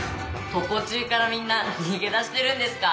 常中からみんな逃げ出してるんですか？